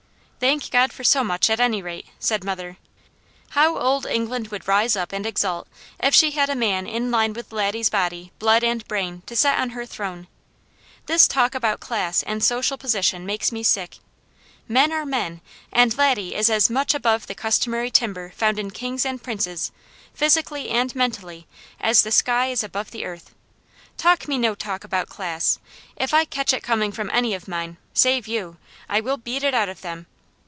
"Thank God for so much, at any rate," said mother. "How old England would rise up and exult if she had a man in line with Laddie's body, blood and brain, to set on her throne. This talk about class and social position makes me sick. Men are men, and Laddie is as much above the customary timber found in kings and princes, physically and mentally, as the sky is above the earth. Talk me no talk about class! If I catch it coming from any of mine, save you, I will beat it out of them.